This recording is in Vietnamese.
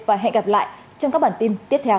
và hẹn gặp lại trong các bản tin tiếp theo